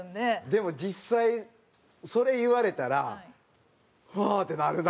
でも実際それ言われたらはあってなるな。